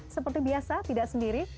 seperti biasa tidak sendiri